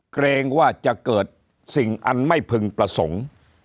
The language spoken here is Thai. เกรงว่าจะเกิดสิ่งอันไม่พึงประสงค์